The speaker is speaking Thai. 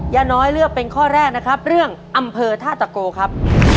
ยาน้อยเลือกเป็นข้อแรกนะครับเรื่องอำเภอท่าตะโกครับ